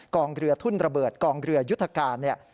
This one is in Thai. กองเรือทุ่นระเบิดกองเรือยุทธการเนี่ย